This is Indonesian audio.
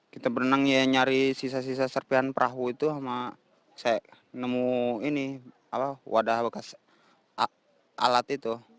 kita berenang ya nyari sisa sisa serpian perahu itu sama saya nemu ini wadah bekas alat itu